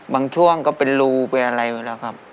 ช่วงก็เป็นรูเป็นอะไรมาแล้วครับ